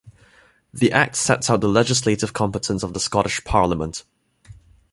The Act sets out the legislative competence of the Scottish Parliament.